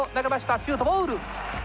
シュート、ボール。